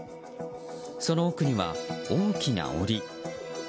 その奥には、大きな檻。